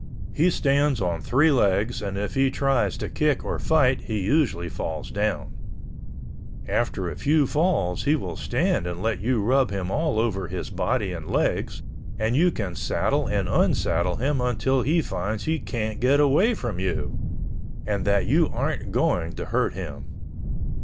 He stands on three legs and if he tries to kick or fight he usually falls down. After a few falls he will stand and let you rub him all over his body and legs, and you can saddle and unsaddle him until he finds he can't get away from you and that you aren't going to hurt him.